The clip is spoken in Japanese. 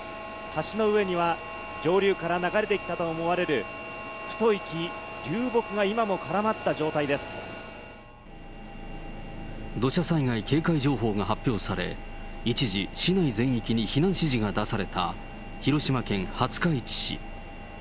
橋の上には、上流から流れてきたと思われる太い木、流木が、土砂災害警戒情報が発表され、一時、市内全域に避難指示が出された広島県廿日市市。